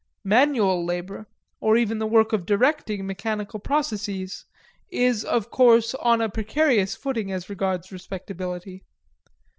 Manual labor, or even the work of directing mechanical processes, is of course on a precarious footing as regards respectability.